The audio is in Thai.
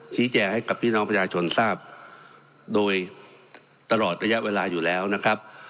ชี้แจงให้กับพี่น้องประชาชนทราบโดยตลอดระยะเวลาอยู่แล้วนะครับ